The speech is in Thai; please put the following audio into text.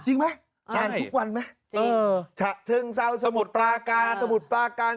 ค่ะจริงไหมใช่ทุกวันไหมจริงเออฉะเชิงเซาสมุทรปราการ